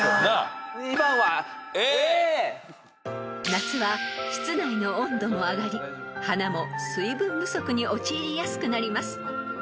［夏は室内の温度も上がり花も水分不足に陥りやすくなります］